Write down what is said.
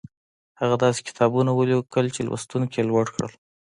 هغه داسې کتابونه وليکل چې لوستونکي يې لوړ کړل.